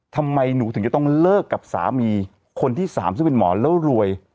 ทำไมหนูถึงจะต้องเลิกกับสามีคนที่๓ซึ่งเป็นหมอแล้วรวย